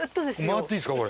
回っていいですか？